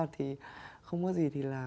thì không có gì thì là